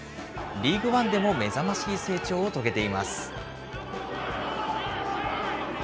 リーグワンでも目覚ましい成長を遂げています。